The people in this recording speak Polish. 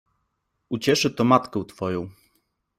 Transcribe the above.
Ucieszy to matkę twoją!